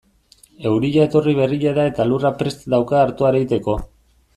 Euria etorri berria da eta lurra prest dauka artoa ereiteko.